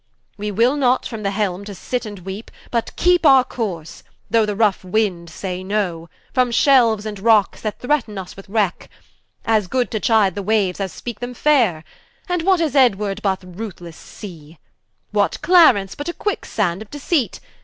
We will not from the Helme, to sit and weepe, But keepe our Course (though the rough Winde say no) From Shelues and Rocks, that threaten vs with Wrack. As good to chide the Waues, as speake them faire. And what is Edward, but a ruthlesse Sea? What Clarence, but a Quick sand of Deceit?